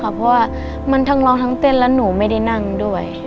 เพราะว่ามันทั้งร้องทั้งเต้นและหนูไม่ได้นั่งด้วย